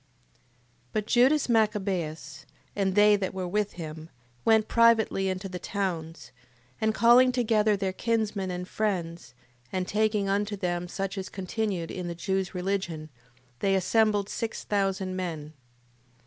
8:1. But Judas Machabeus, and they that were with him, went privately into the towns: and calling together their kinsmen and friends, and taking unto them such as continued in the Jews' religion, they assembled six thousand men.